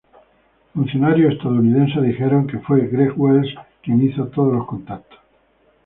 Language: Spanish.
Funcionarios estadounidenses dijeron que fue Greg Wales quien hizo todos los contactos.